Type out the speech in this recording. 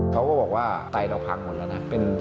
เขาก็บอกว่าไตเราพังหมดแล้วนะ